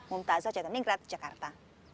mumtazah jateningrat jakarta